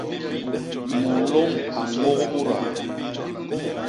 Munlôm a ñôk mudaa.